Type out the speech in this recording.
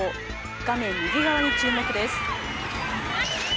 画面右側に注目です。